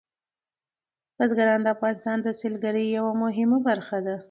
بزګان د افغانستان د سیلګرۍ یوه مهمه برخه ده.